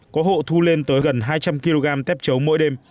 có hộ thu lên tới gần hai trăm linh kg tép chấu mỗi đêm